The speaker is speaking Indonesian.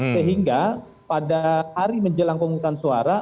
sehingga pada hari menjelang pemungutan suara